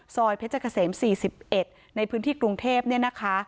ซอยเพชรเกษม๔๑ในพื้นที่กรุงเทพเนี่ยนะคะ